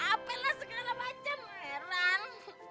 apel lah sekarang macam heran